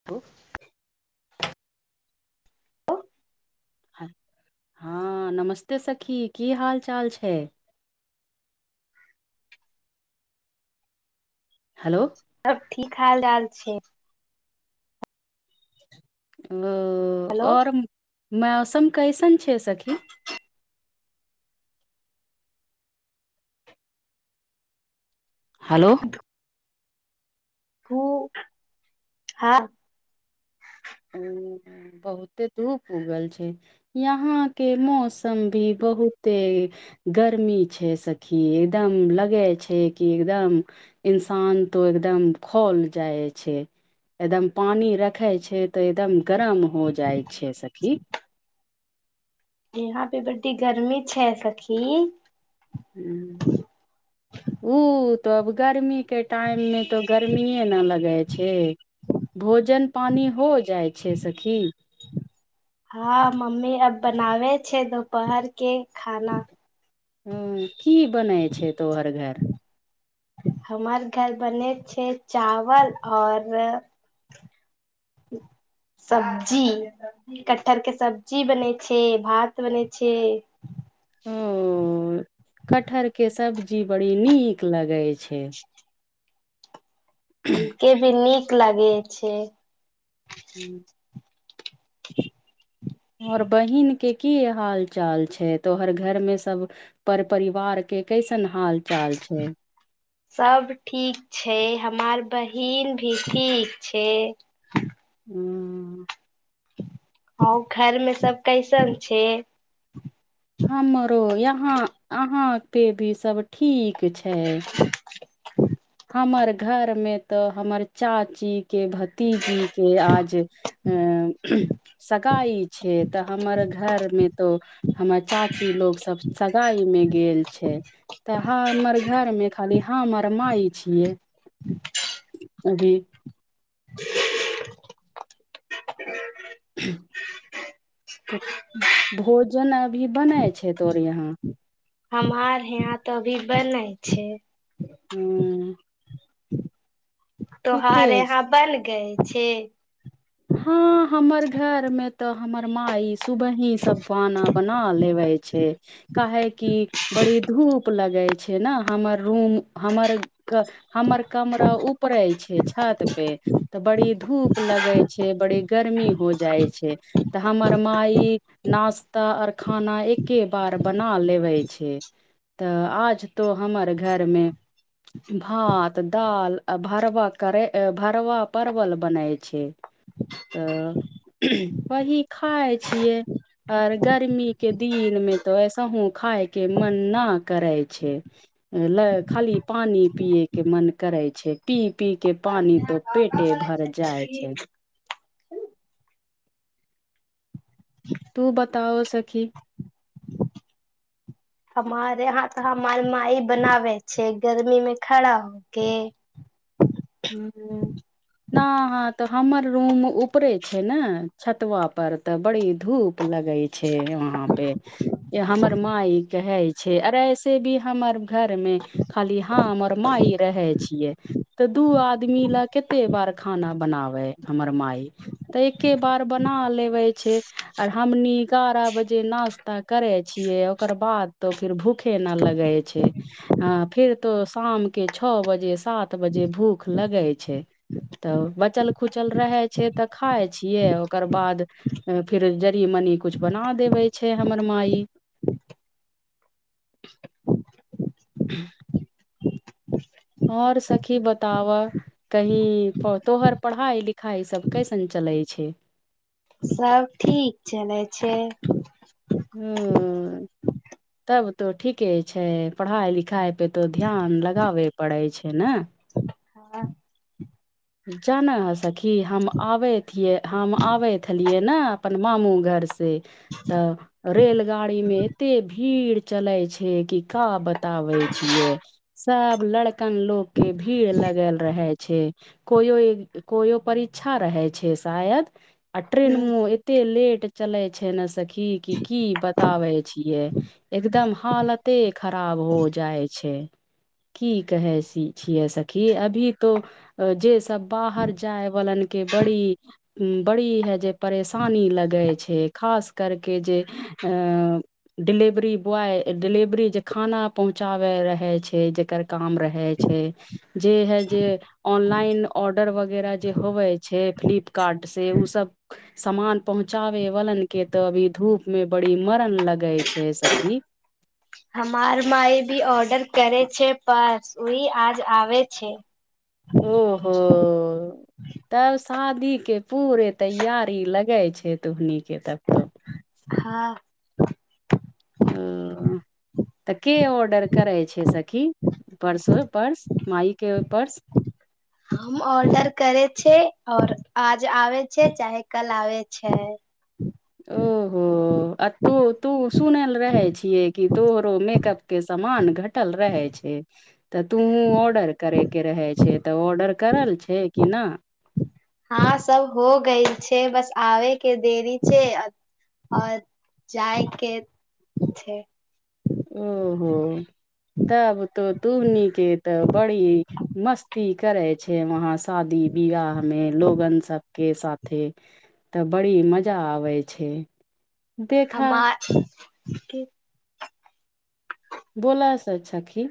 [inaudible] [inaudible] हँ नमस्ते सखी की हाल चाल छै हेलो सब ठीक हाल जाल छै ओ हेलो आओर मौसम कइसन छै सखी हलो [inaudible] बहुते धूप उगल छै यहां के मौसम भी बहुते गर्मी छै सखी एकदम लगे छै कि एकदम इंसान तो एकदम खौल जाय छै एकदम पानि रखे छै तऽ एकदम गरम हो जाय छै सखी यहाँ पे बड्डी गर्मी छै सखी [unintelligible] [unintelligible] उ तऽ अब गर्मी के टाइम मे तो गर्मीेए न लगे छै भोजन पानि हो जाय छै सखी हँ मम्मी अब बनावे छै दुपहर के खाना ह की बनै छै तोहर घर [unintelligible] हमर घर बनैत छै चावल आओर [unintelligible] सब्जी कटहर के सब्जी बनै छै भात बनै छै उं कटहर के सब्जी बड़ी नीक लगै छै [unintelligible] ह के भी नीक लागे छै [inaudible] आओर बहिन के की हाल चाल छै तोहर घर में सब पर परिवार के कैसन हाल चाल छौ सब ठीक छै हमार बहिन भी ठीक छै [inaudible] हँ घर मे सब कैसन छै हमरो यहां अहां पे भी सब ठीक छै हमर घर मे तऽ हमर चाची के भतीजी के आज अ सगाइ छै तऽ हमर घरमे तो हमर चाची लोग सब सगाई मे गेल छै तऽ ह हमर घर में खाली हम आओर माई छियै--अभी तऽ भोजन अभी बनैय छै तोर यहाँ हमार यहा तऽ अभी बनै छै हूँ तो हार ठीके यहाँ बन गए छी हाँ हमर घर मे त हमर माई सुबह ही सब बना बना लेबै छै काहे कि बड़ी धूप लगै छै ने हमर रूम हमर क हमर कमरा ऊपरे छै छत पे तऽ बड़ी धूप लगे छै छै बड़ी गर्मी बुझाय छै तऽ हमर माई नास्ता आर खाना एके बार बना लेबै छै तऽ आज तो हमर घरमे भात दाल आ भरवा करै भरबा परवल बनय छैय। तऽ वही खाय छियै। आऔर गर्मी के दिन में तऽ ऐसहु खााय के मन न करे छैय। ल खाली पानि पियएके मन करे छैय पी पी के पानि तो पेटे भर जाइ छैय। तू बताओ सखी। हमारे यहाँ तऽ हमर माइ बनाबै छैय गर्मी मे खड़ा होके। हू न हा तऽ हमर रूम ऊपरे छैय ने छतवा पर त बड़ी धूप लगै छैय वहाँ पे हमर माय कहै छैय अर ऐसे भी हमर घरमे खाली हम और मााय रहै छियै। तऽ दू आदमी लऽ कते बार खाना बनाबे हमर माय। तऽ एके बार बना लेबे छैय। आर हमनि एगारह बजे नाास्ता करै छियै ओकर बाद फिर भूखे न लगे छैय आ फेर तो शामके छओ बजे सात बजे भूख लगै छैय। तऽ बचल खुचल रहै छैय तऽ खााय छियै ओकर बाद फिर जरी मनी कुछ बना देवे छैय हमर माई। [unintelligible] आओर सखी बताव? कही तोहर पढ़ाइ लिखाइ सभ कैसन चलै छैय? सब ठीक चलै छैय। हूं तब तो ठीके छैय पढ़ाई लिखाई पे तो ध्यान लगाबे पड़े छैय न। हँ जाना है सखी हम आबय थीय हम आबैत हलियै न अपन मामू घरसे तऽ रेलगाड़ीमे एते भीड़ भीड़ चले छैय कि का बताबे छियै सब लड़क कन लोग के भीड़ लगल रहे छैय। कोयो ई कोयो परीक्षा रहै छैय शायद आ ट्रेनमो एते लेट चलै छैय ने सखी की की बताबे छियै। एकदम हालते खराब हो जाइ छैय। की कहै सि छियै सखी अभी तो जे सब बाहर जाय वालनके बड़ी बड़ी हे जे परेशानी लगै छैय खास करकेऽ जे अ डिलेवरी बॉय डिलेवरी जे खाना पहुंचाबे रहे छैय जेकर काम रहे छैय। छैय जे ह जे ऑनलाइन ऑर्डर वगैरह जे होवे छैय फ्लिपकार्ट से ओसभ सामान पहुँचाबे वालन के तऽ अभी धूप मे बड़ी मरन लगै छैय सखी। हमार माय भी ऑर्डर करे छैय परस ओहि आज आबे छैय। ओ हो तब शादीके पूरे तैयारी लगे छतय तुहनीके तब तो। हँ ओ तऽ के ऑर्डर करै छैय सखी? पर्स हो पर्स माइके पर्स। हम ऑर्डर करे छैय और आज आबे छैय चाहे कल आबे छैय। ओहो आ तू तू सुनल रहै छिय कि तोरो मेकअप के समान घटल रहै छैय। तऽ तूहु ऑर्डर करेके रहे छैय तऽ ऑर्डर करल छैय कि ना? हँ सब हो गई छैय बस आबेके देरी छैय। आओर जाइके छैय। ओहो तब तो तूबनी के तऽ बड़ी मस्ती करै छैय वहाँ शादी बियाह मे लोगन सब के साथे तऽ बड़ी मजा आबे छैय। हमार [unintelligible] बोलस छखी।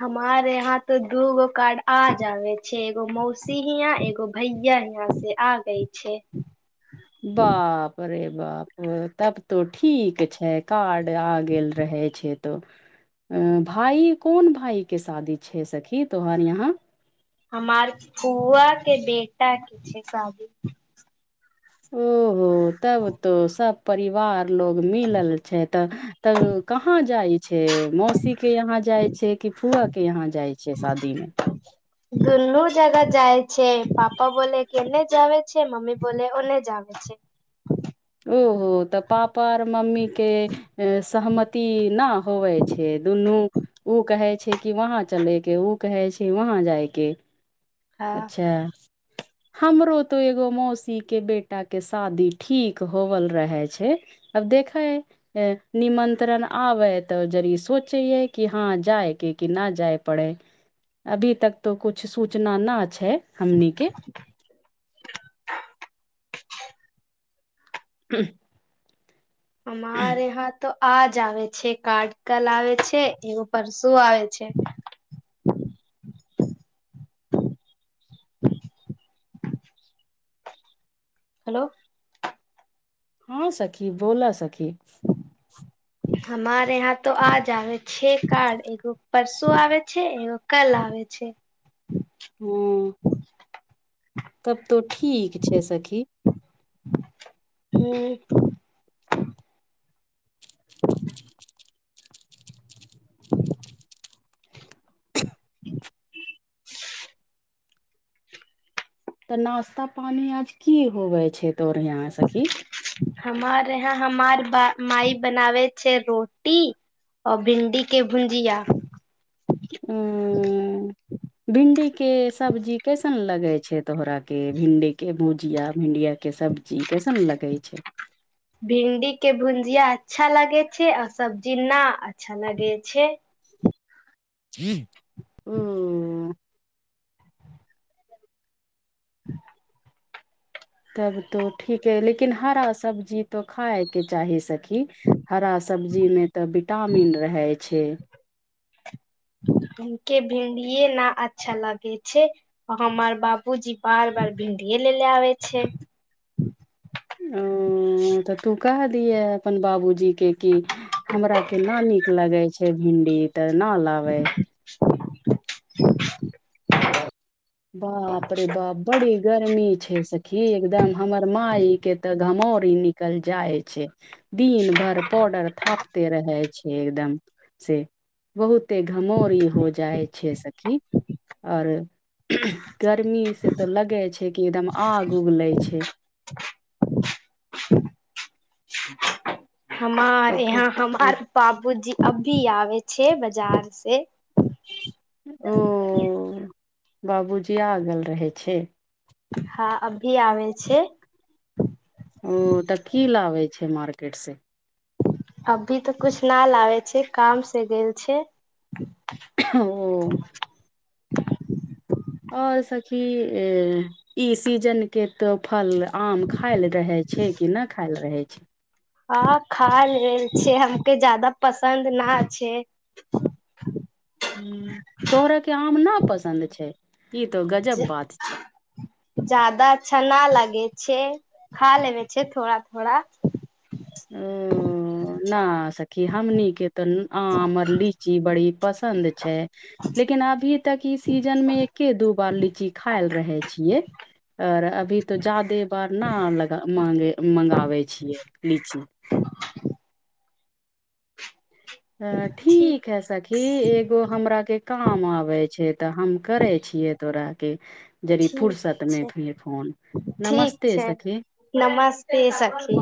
हमार यहाँ तो दूगो कार्ड आ जावे छैय एगो मौसी हींया एगो भैया हींया से। आ गै छैय। बाप रे बाप तब तो ठीक छैय कार्ड आ गेल रहै छैय तऽ अ भाय कोन भाय के शादी छैय सखी तोहर यहाँ? हमार फुआके बेटाके छैय शादी। ओहो तब तो सब परिवार लोग मिलल छैय तऽ तब कहाँ जाइ छैय? मौसीके यहाँ जाइ छैय कि फुआके यहाँ जाइ छैय शादी मे। दुनू जगह जाइ छैय पप्पा बोल केने जाए छैय मम्मी बोल ओने जाए छैय। ओहो तऽ पापा आर मम्मी के सहमति न होवै छैय दुनू ओ कहै छैय कि वहाँ चलै के ओ कहै छैय वहाँ जायके। हँ अच्छा हमरो तो एगो मौसी के बेटा के शादी ठीक होबल रहै छैय अब देखै निमंत्रण आबै तऽ जर सोचे ह कि हँ जायके कि ना जाय पड़े अभी तक तो कुछ सूचना न छैय हमनी के। [unintelligible] हमार यहां त आ जाबे छैय कार्ड कल आबे छैय एगो परसो आबे छैय। हेलो हँ सखी बोल सखी। ह। हमर यहाँ त आ जबे छैय कार्ड एगो परसू आबे छैय एगो कल आबे छैय। हँ तब तो ठीक छैय सखी। हूं [inaudible] तऽ नाास्ता पानी आज की होवे छैय तोर यहाँ सखी? हमर यहाँ हमार माय बनाबै छैय रोटी आ भिन्डीके भुजिया। ह भिंडी के सब्जी कैसन लगै छैय? तोहराके भिंडीके भुजिया भिंडियाके सब्जी कैसन लगे छैय? भिंडीके भुजिया अच्छा लगे छैय आ सब्जी न अच्छा लगे छैय। ओ तब तो ठीक है लेकिन हरा सब्जी तो खायके चाही सखी। हरा सब्जीमे तऽ विटामिन रहै छैय। [inaudible] भिडिए न अच्छा लागे छैय। हमार बाबूजी बार बार भिणडीे लेले आबे छैय। ओ तऽ तू कह दिहे अपन बाबूजी के की हमराके न नीक लगे छैय भिंडी तऽ न लाबे [unintelligible] बाप रे ब बड़ी गर्मी छैय सखी एकदम हमर माायके तऽ घमौरी निकल जाइ छैय। दिन भरि पौडर थापते रहै छैय एकदम से। बहुते घमोरी हो जाइ छैय सखी आओर गर्मीसे तऽ लगे छैय कि एकदम आग उगलै छैय। हमार तऽ यहाँ हमार बाबूजी अभी आबे छैय बाजार से। ओ बाबूजी आ गेल रहै छैय। हँ अभी आबे छैय। ओ तऽ की लाबै छैय मार्केट से? अभी तऽ कुछ न लाबे छैय कामसे गेल छैय। ओ आओ सखी ए ई सीजनके तो फल आम खायल रहे छैय कि नहि खायल रहे छैय? ह खा लेल छ हम के जदा पसन्द न छैय। ह तोहरयके आम नहि पसन्द छैय ई तऽ गजब बात छैय। ज्यादा अच्छा न लगे छैय खा लेबे छैय थोड़ा थोड़ा। ओ ना सखी हमनिके तो आम आऔर लीची बड़ी पसन्द छैय। लेकिन अभी तक ई सीजन में एके दू बार लीची खायल रहे छियै। आओर अभी तऽ ज्यादे बार ने लगा मांगे मगाबै छियै लीची। अ ठीक है सखी एक एगो हमरा के काम आबे छैय तऽ हम करे छियै तोराके। जरी ठीक फुरसतमे छै भेल फोन ठीक नमस्ते छै सखी। नमस्ते सखी।